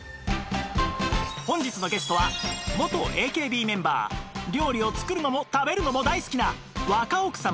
本日のゲストは元 ＡＫＢ メンバー料理を作るのも食べるのも大好きな若奥様